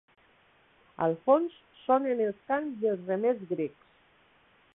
Al fons, sonen els cants dels remers grecs.